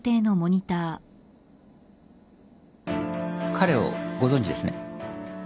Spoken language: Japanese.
彼をご存じですね。